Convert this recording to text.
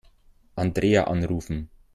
Andrea anrufen.